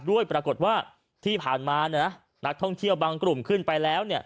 ปรากฏว่าที่ผ่านมานักท่องเที่ยวบางกลุ่มขึ้นไปแล้ว